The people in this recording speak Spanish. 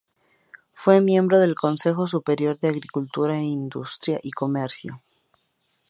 Fue miembro del Consejo Superior de Agricultura, Industria y Comercio.